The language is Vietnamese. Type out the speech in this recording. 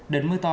đến mưa tối